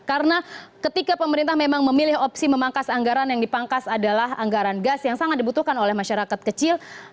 karena ketika pemerintah memang memilih opsi memangkas anggaran yang dipangkas adalah anggaran gas yang sangat dibutuhkan oleh masyarakat kecil